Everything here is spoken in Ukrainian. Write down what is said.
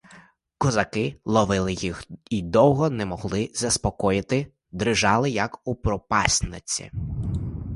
Козаки ловили їх і довго не могли заспокоїти: дрижали, як у пропасниці.